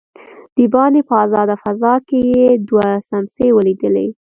دباندې په آزاده فضا کې يې دوه سمڅې وليدلې.